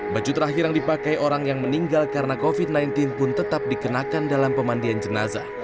baju terakhir yang dipakai orang yang meninggal karena covid sembilan belas pun tetap dikenakan dalam pemandian jenazah